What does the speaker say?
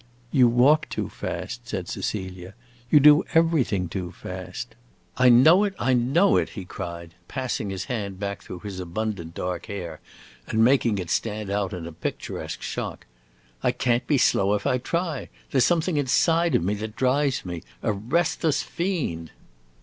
"You walk too fast," said Cecilia. "You do everything too fast." "I know it, I know it!" he cried, passing his hand through his abundant dark hair and making it stand out in a picturesque shock. "I can't be slow if I try. There 's something inside of me that drives me. A restless fiend!"